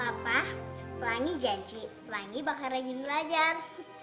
mama papa pelangi janji pelangi bakal rajin belajar